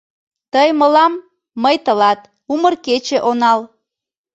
Тый — мылам, мый — тылат умыр кече онал